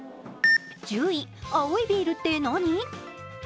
１０位、青いビールって何？